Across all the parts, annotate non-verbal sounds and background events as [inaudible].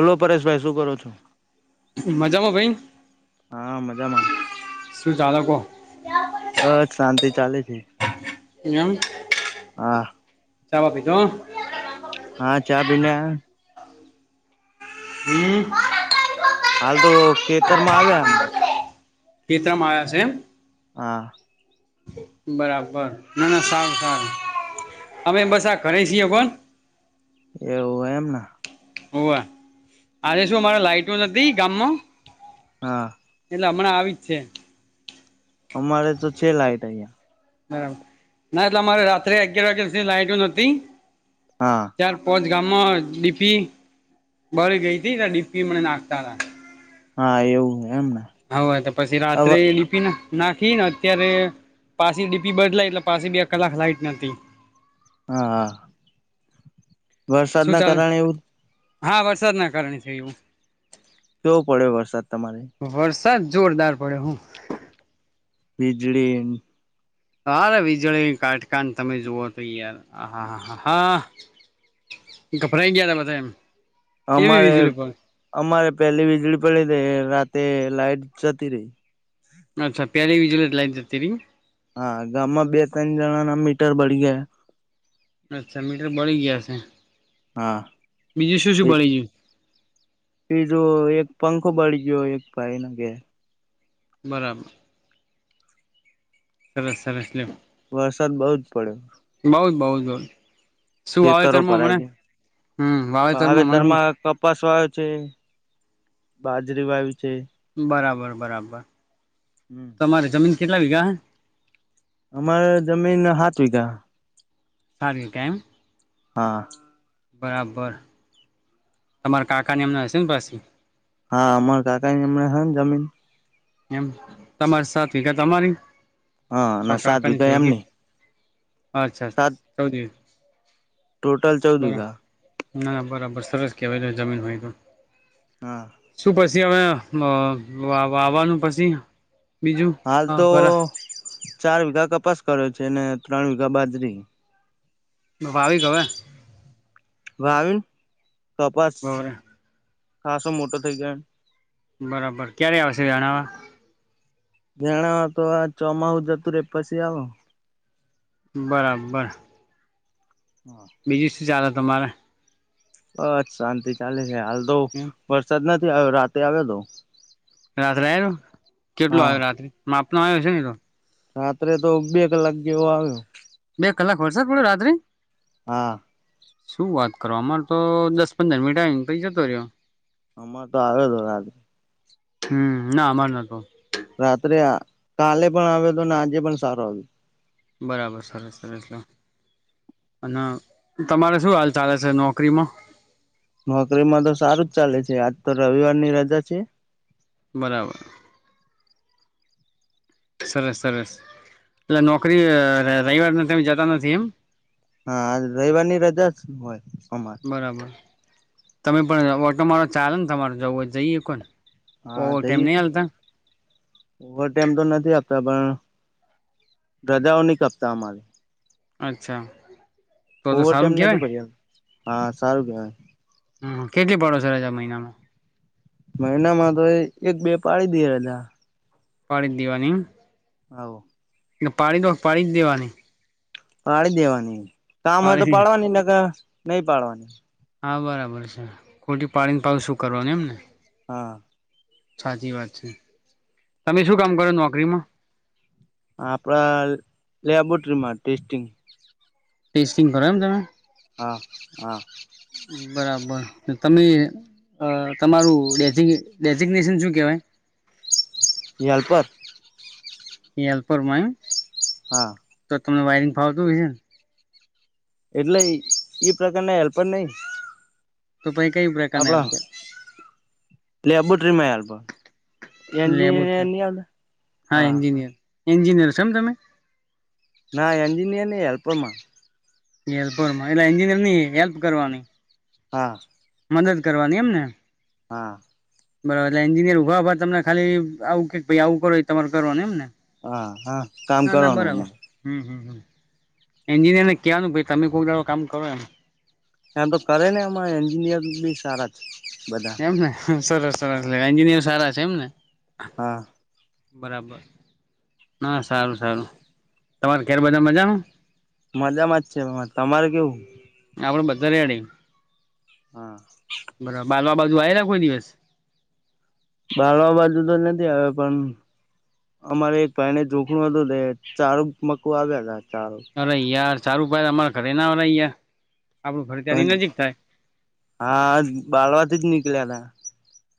બોલો પરેશભાઈ શું કરો છો? મજામાં ભાઈ. હા મજામાં. શું ચાલે કોહ. અ શાંતિ ચાલે છે. એમ. હા. ચા ભી તો. હા ચા પીને આયાં ને. હમ્મ. હાલ તો ખેતરમાં આવ્યા અમે ખેતરામાં આવ્યા છેમ. હા. બરાબર ના ના સારું સારું અમે બસ આ ઘરે છીએ કોણ એવું એમ ના. ઓ વા આજે શું અમારે લાઈટો નથી ગામમાં? હા. એટલે હમણાં આવી જ છે. અમારે તો છે લાઈટ અહિયા. બરાબર ના એટલે અમારે રાત્રે અગિયાર વાગ્યા સુધી લાઈટ નથી. હા. ત્યાર પોચ ગામમાં ડીપી બળ ગઈ તી ડીપી મને નાખતા હતા. હા એવું એમને. હવ તો પછી હવે રાત્રે ડીપી ના નાખી ને અત્યારે પાછી ડીપી બદલાય એટલે પાછી બે કલાક લાઈટ નતી. હા હા. વરસાદ શું ના ચાલે કારણે એવું હા વરસાદના કારણે છે એવું. કેવો પડ્યો વરસાદ તમારે. વરસાદ જોરદાર પડ્યો હે. વીજળી સરે વીજળી કાટકાાન તમે જુવઓ તો યાર હા હ હા હા. ઘબરાય ગયા હતા બાદ એમ. એવી અમારે વીજળી પણ અમારે પેલી વીજળી પડી રઈ રાતે લાઈટ જતી રહી. અચ્છા પ્ય્યારે બીજુંલે જ લાઈ જ તેરી. હા ગામમાં બે ત્રણ જણા ના મીટર બળી ગયા હે. અચ્છા મીટર બળી ગયા છે. હા બીજું શું શું બળી ગયું? પીજું એક પંખો બળી ગયો એક ભાઈ ન ઘરે. બરાબર. સરસ સરસલિમ. વરસાદ બઉ જ પડ્યો. બઉ જ બઉ જ બ શું ખેતરો વાવેતરમાં ભરાઈ મળ ગયા. હમ વાવેતર માં મળ શું. વાવેતરમાં કપાસ વાયો છે, બાજરી વાય છે. બરાબર બરાબર. હમ. તમારે જમીન કેટલા વિઘા? અમારે જમીન હાથ વિગા હ. સારું કેમ? હા. બરાબર, તમારા કાકાને એમના હશે ને પછી? હા અમાર કાકા એમને હ ને જમીન. એમ, તમારી સા વગ તમારી હા અને સાત કકાની વીઘા છે ગ. એમની સાત અચ્છા દી. ટોટલ ચૌદ વિગા. ના બરાબર સરસ કેહેવાય છે જમીન હોય તો. હા. શું પછી હવે આવવાનું પછી, બીજું હાલ હ તો ફરા. ચાર વીઘા કપાસ કર્યો છે અનેને ત્રણ વીઘા બાજરી. દપાવી કવે? ભાવિન કપાસ બપોરે ખાસો મોટો થઈ ગયો. બરાબર ક્યારે આવશે જાણાવા. જાણા તો આ ચમા હુંજતુ ર એ પછી આ. બરાબર. હા. બીજું શું ચાલે તમારે? બસ શાંતિ ચાલે છે હાલ તો એમ? વરસાદ નથી આવ્યો રાતે આવ્યો તો. રાત્રે આવલ કેટલ હા આવ રાત્રે માપ ન આવ્યો છે ને તો? રાત્રે તો બે કલાક જેવો આવ્યો. બે કલાક વડસાક મળડું રાત્ર્રી? હા. શું વાત કરો અમારે તો દસ પંદર મિનટ આવીને કઈ જતો રહ્યો. અર તો આવે હતો આજ. હમ ના અર ના તો. રાત્રે કાલે પણ આવે તો આજે પણ સારો આવ. બરાબર સરસ સરસ. અને તમારે શું હાલ ચાલે છે નોકરીમાં? નોકરીમાં તો સારું જ ચાલે છે આજ તો રવિવાર ની રજા છે. બરાબર. સરસ સરસ, એટલે નોકરી રવિવારને તમે જતા નથી એમ? હા આ રવિવાર ની રજા હોય અમારે. બરાબર, તમે પણ ઓટોમારો ચાલે ને તમારે જવું હોય જઈએકો ને? હા જઈ કે. ઓવર ટાઈમ તો નથી આપતા, પણ રજાઓ ન કપતા અમારે. અચ્છા. તો તો ઓવર ટાઈમ સારું નથી કેવાય પડ્યા હા સારું કેવાય. હ કેટલી પડોસર રાજા મહિનામાં. મહિનામાં તો એ એક બે પાડી દિ હતા. પાડી દીવા ની હવો. ને પાડી દો પાડી જ દેવાની. પાડી દેવાની, કામ હોય તો પાડી પાડવાની નક નઈ પાડવાની. હા બરાબર છે ખોટી પાડીને પાવ શું કરવાનું એમ ને? હા. સાચી વાત છે, તમે શું કામ કરો નોકરીમાં? આપડા લેબોરેટરી માં ટેસ્ટિંગ. ટેસ્ટિંગ કરો એમ તમે? હા, હા. બરાબર તો તમે અ તમારું ડેઝી ડેઝિગ્નેશન શું કેવાય. [unintelligible] ઈ હાલ પર માં. હા. તો તમને વાયરીંગ ફાવતું હોઈએ. એટલે ઈ ઈ પ્રકારના હેલ્પર ને તો પાઇ કઈ પ્રકારના હેલ્પર લેબોરેટરીમાં હેલ્પર ત્યાં લેબો છે. એન્જિનિયર નહી આવતા હા. એન્જિનિયર છે ન તમે. ના એન્જિનીયર ની હેલ્પરમાં. એલ્પરમાં એટલે એન્જિનિયર નહીં હેલ્પ કરવાની. હા. મદદ કરવાની એમ ને. હા. બરાબર એટલે એન્જિનિયર હોવા તમને ખાલી આવુ કઈ આવું કરો તમારે કરો ને એમ ને. હા હા કામ કરવાનું અમા. હમ્મ હમ્મ હામ એન્જિનિયર ને કહેવાનું ભાઈ તમે કોઈ દડો કામ કરો એમ. એમ તો કરે ને એમાં એન્જિનિયર બી સારા છે બધા એમને સરસ સરસ હા લે એન્જિનિયર સારા છે એમને. હા. બરાબર હા સારું સારું તમારે ખ્યાર બધા મજા માં. મજામાં જ છે એ તમારે કેવું. આપડે બધા રેયાડી. હા. બરાબર બાલ આ બાજુ આવેલા કોઈ દિવસ. બાળવા બાજુ તો નથી આવે પણ અમારે એક ભાઈને જોખમું હતું તે ચારું મકું આવ્યા હતા ચારું. અરે યાર સારું પાય અમારા ઘરે ના અવે અયાર આપડું ઘર પણ તંની નજીક થાય. હા બાળવાથી જ નીકળ્યા હતા.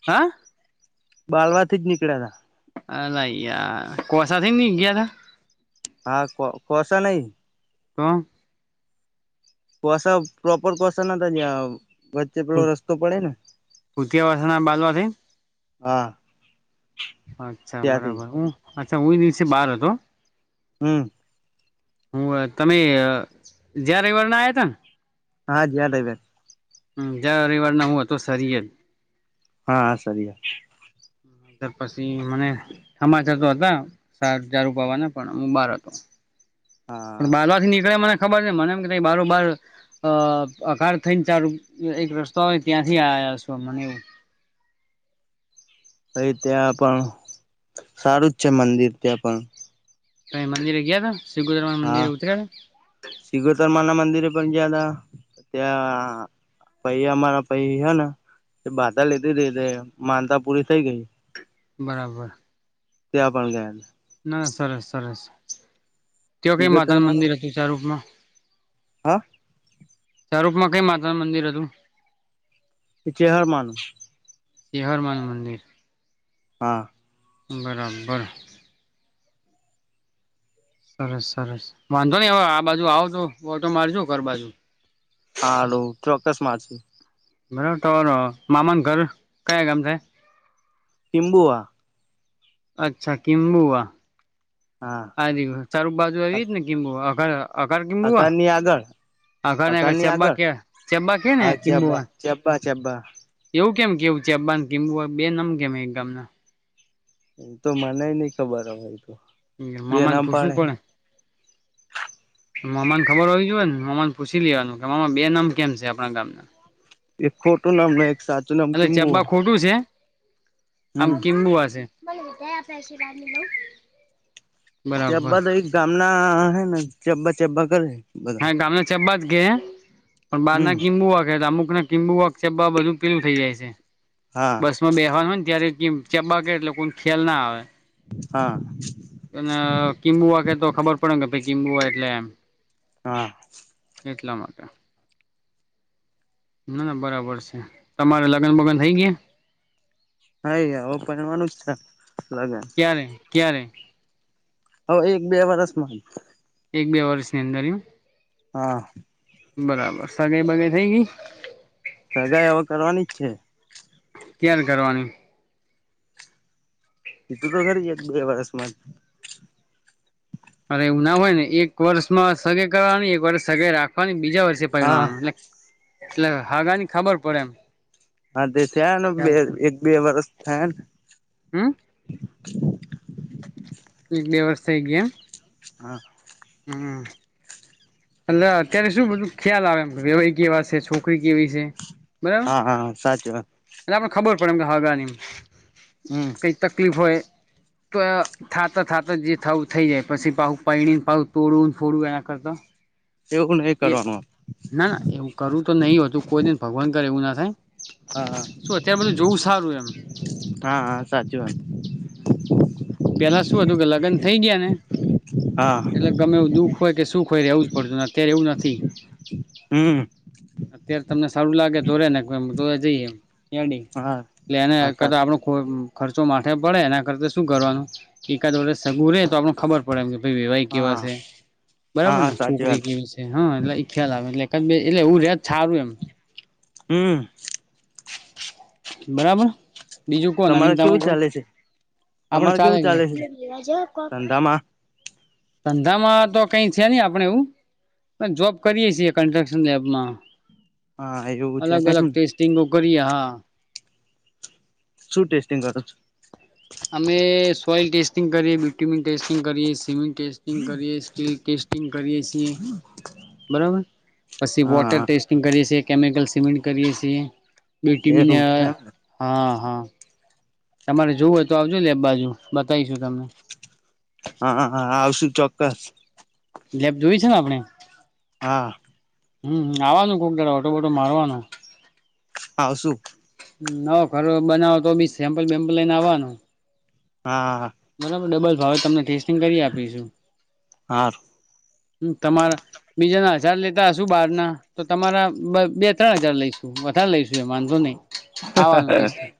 હા. બાલવાથી જ નીકળ્યા હતા. આલા યાર કોસાથી ની ગયા હતા. હા કો કોશો નહીં. તો કોસા પ્રોપર કોસા ના તા જ વાચ જે પેલો રસ્તો પડે ને ભૂતિયા વાસણા બાલવા થઈ હા. અચ્છા ત્યાંથી બરાબર હું અચ્છા હું દિવસે બાર હતો. હમ. હું તમે ગયા રઇવારના આયાતાન? હા, જ્યાં તેં અગર. હમ, ગયા રવિવારના હું અતો સરીજ. હા હા સરીયા. તો પછી મને હમા જતો હતા [unintelligible] પાવાના પણ હું બાર હતો. પણ હા બાલવા થી નીકળે મને ખબર છે મને એમ કે ત બારું બહાર અ અઘાર થઈને ચાલું એક રસ્તો હોય ત્યાંથી આયા છો મને એવું. ભાઈ ત્યાં પણ સારું જ છે મંદિર ત્યાં પણ. તાઈ મંદિરે ગયા હતા શિગોતર મંદિરે ઉત્યા હતા. શિગોતર માના મંદિરે પણ જેયા હતા ત્યા ભઈ અમારા પૈ હ ન એ બાધા લીધીતી તે, માનતા પૂરી થઈ ગઈ. બરાબર. ત્યાં પણ ગયાતા. ના સરસ સરસ, કયો કઈ માતાનું મંદિર હતું ચાર રૂપમાં? હ? સ્વરૂપમાં કઈ માતાનું મંદિર અતુ? એ ચેહરમાંનું. ચેહરમાંનું મંદિર. હા. બરાબર. સરસ સરસ. વાંધો નહી હવે આ બાજુ આવ તો ઓટો મારજો ઘર બાજુ. હાલું ચોક્કસ મારશુ. બરાબર, તો મામાન ઘર કયા ગામ છે? કીમબુઆ. અચ્છા, કીમબુઆ હા આ ચાર રૂપ બાજુ આવીયુ એ જ ને કિમબુઆ? અકારની આગળ અગર અકારની [unintelligible] ચેમ્બા કે ને કિંબુઆ. ચેબા ચેબા. એવું કેમ કેવું ચેબા ન કિંબુઆ, બે નામ કેમ એક ગામના? એ તો મનેય નઈ ખબર એ તો. એ બે મામાન નામ પૂછવુ પાડે પડે. મામાનને ખબર હોવી જોએ ને મામાન પૂછી લેવાનું કે મામા બે નામ કેમ છે આપણા ગામના? એક ખોટું નામ ને એક સાચું નામ એટલે કિંબુ હ ચેબ્બા ખોટું છે આમ હમ કિમબુઆ છે. [unintelligible] બરાબર ચબ્બા તો એક ગામના હ ને ચેબ્બા ચેબ્બા કરે હે. હા ગામના ચેબ્બા જ કે, પણ બારના હમ કિંબુઆ કે. અમુકના કીંબુઆ ચેબ્બા બધું ક્લીન થઈ જાય છે હા બસ. આમાં બેહવાનું હોય ને ત્યારે કિમ ચેબ્બા કે એટલે કોઈ ખ્યાલ ના આવે. હા. પન કિમબુઆ કે તો ખબર પડે કે ભઈ કિંબુઆ એટલે એમ. હા. એટલા માટે. ના ના બરાબર છે. તમારે લગ્ન બગન થઈ ગયા? થઈ ગયા, અવ પયણવાનું જ છે લગન. ક્યારે ક્યારે? હવે એક બે વરષમાં જ. એક બે વર્ષની અંદર એમ? હા. બરાબર સગઈ બગઈ થઈ ગઈ? સગાઈ હવે કરવાની જ છે. ક્યારે કરવાની? કીધું તો ખરી એ બે વર્ષમાં. અરે એવું ના હોય ને એક વર્ષ માં સગાઈ કરવાની એક વર્ષ સગાઈ રાખવાની બીજા વર્ષે હા પેણવાનું એટલે એટલે હગાની ખબર પડે એમ. હા તે થયા ન ચાલ એક બે વરસ થયાન. હમ એક બે વરસ થઈ ગયા એમ? હા. હમ. એટલે અત્યારે શું બધું ખ્યાલ આવે વેવાય કેવા છે છોકરી કેવી છે. બરાબર હા, હા સાચી વાત. એટલે આપડે ખબર પડે એમ કે હગાની. હમ. કઈ તકલીફ હોય તો એ થાત થાત જ જે થાવું થઈ જાય પછી પાવું પેણી ને પાવું તોડવું ને ફોડવું એના કરતા. એવું નહી એ કરવાનું. ના ના એવું કરવું તો નહી હતું કોઈ ન ભગવાન કરે એવું ના થાય હા શું અત્યાર બધું જોવું સારું એમ. હા. સાચી વાત. પેલા શું હતું કે લગ્ન થઇ ગયા ને હા એટલે ગમે એવું દુઃખ હો કે સુખ રહેવું જ પડે અત્યારે એવું નથી. હમ. અત્યારે તમને સારું લાગે તો રે ને તો જઈ એડી હા એટલે એને હા ક સાચી આપડો કો ખર્ચો માથે પડે એના કરતા શું કરવાનું એકાદ વર્ષ સગું રહે તો આપણે ખબર પડેકે વેવાય કેવા છે, હા બરાબર હા ને સાચી છોકરી વાત કેવી છે. હા એટલે એ ખ્યાલ આવે એટલે એટલે એવું રે સારું એમ. હમ. બરાબર. બીજું કોણ તમારે કેવું નવીનતામાં ચાલે છે આપડે તમારે ચાલે. કેવું છે ધંધામાં ધંધામાં તો કઈ છે નહી આપડે એવું. જોબ કરીએ છીએ કન્સ્ટ્રક્શન લેબમાં. હા એવું. છે અલગ ને અલગ ટેસ્ટિંગો કરીએ હા. શું ટેસ્ટિંગ કરો? અમે સોઇલ ટેસ્ટિંગ કરીએ, બ્યુટમિન ટેસ્ટિંગ કરીએ, સીમેન્ટ ટેસ્ટિંગ કરીએ, સ્ટીલ ટેસ્ટ કરીએ બરાબર. પછી વોટર હા ટેસ્ટિંગ કરીએ છીએ કેમિકલ સિમેન્ટ કરીએ છીએ બે ટીમી એવું છે એમને હા, હા. તમારે જોવ હોય તો આવજો લેબ બાજુ બતાવીશું તમને. હા હા આવશું ચોક્કસ. લેબ જોઈ છે ને આપડે? હા. હમ આવાનું કોક ઓટો બોટો મારવાનો. આવશું. નવો ઘરો બનાવો તો બી સેમ્પલ બેેમ્પલ લઈને આવવાનું. હા. બરાબર ડબલ ભાવે તમને ટેસ્ટિંગ કરી આપીશું હારું હમ તમારા બીજાના હજાર લેતા હશું બહારના તો તમારા બે ત્રણ હજાર લઈશું વધારે લઈશું એ વાંધો નહીં. આવવાનું જ [inaudible]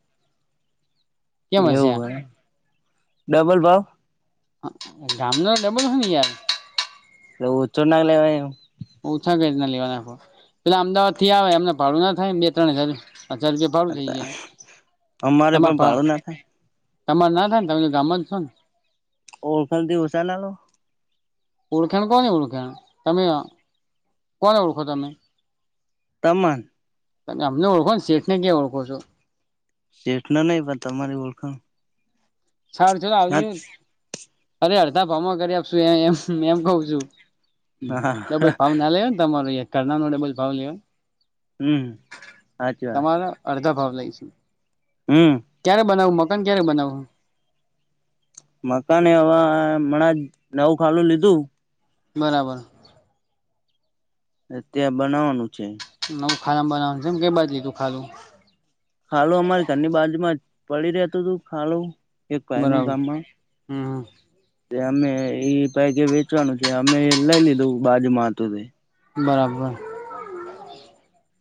એવું હોય એ, ડબલ ભાવ? હ ગામડા ડબલ હો યાર. તો ઉચો ના લેવાય એ? ઓછા કરી ના લેવા ના પેલા અમદાવાદ થી આવે એમને ભાડું ના થાય બે ત્રણ હજાર. હજાર રૂપિયા ભારું થઈ ગયા અમારે તમાર પણ પા ભાડું ના થાય તમાર ના થાય ને તમે ગામ જ છો ને. ઓળખાણ થી ઓછા ના લો? ઓળખાણ કોને ઓળખાણ તમે કોને ઓળખો તમે? તમને. અમને ઓળખો ને શેઠને ક્યાં ઓળખો છો. જેેઠ ને નહી પણ તમારી ઓળખણ છાર ચોલ આવજુ અરે અડધા ભમ કરી આપશું એમ એમ કઉ છું. હમ્મ, ડબલ હા ફાવ ના લે ને તમારો કરના નો ડબલ ફાવ લે. હમ્મ, હાચું વા. અડધા ભાવ લઈશું. હમ્મ. ક્યારે બનાવું, મકાન ક્યારે બનાવવું? મકાને હવે મણા નવું ખાલી લીધું. બરાબર. ત્યાં બનાવવાનું છે. નવું ખાલામાં બનાવવાનું છે એમ કેઈ બાજી લીધું ખાલુ? ખાડું અમારે ઘરની બાજુમાં જ પડી રહેતું હતું ખાડું. એક પાય નું બરાબર ગામમાં હમ તે અમે એ પેકે વેચવાનું છે અમે લઈ લીધું બાજુમાં હતું તે. બરાબર,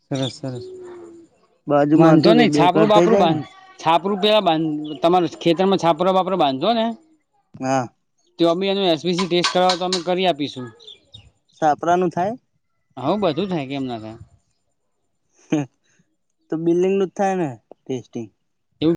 સરસ સરસ. બાજુમાં વાંધો હતું તે નઈ બેકાર છાપરું થઇ બાપરું જાય ને બાંધ છાપરું પેલાં બાંધ તમારું ખેતરમાં છાપરો વાપરો બાંધો ને. હા. તે અમે અયા ફીઝી ટેસ્ટ કરાવ તો અમે કરી આપીશું. સાપરા નું થાય? હઉ બધું થાય કેમના થાય. તે બિલ્ડિંગ નું જ થાય ને ટેસ્ટિંગ? એવું